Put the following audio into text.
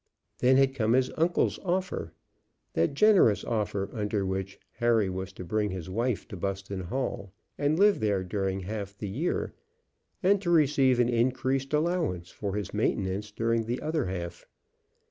Then had come his uncle's offer, that generous offer under which Harry was to bring his wife to Buston Hall, and live there during half the year, and to receive an increased allowance for his maintenance during the other half.